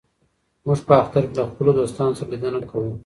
موږ په اختر کې له خپلو دوستانو سره لیدنه کوو.